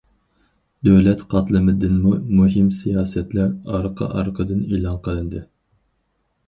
دۆلەت قاتلىمىدىنمۇ مۇھىم سىياسەتلەر ئارقا- ئارقىدىن ئېلان قىلىندى.